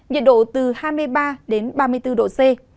nhiệt độ từ hai mươi ba đến ba mươi bốn độ c